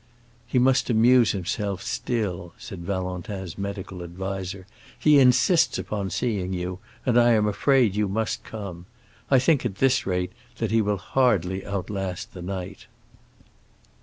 "He must amuse himself still!" said Valentin's medical adviser. "He insists upon seeing you, and I am afraid you must come. I think at this rate, that he will hardly outlast the night."